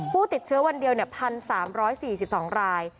ผู้ติดเชื้อวันเดียว๑๓๔๒ราย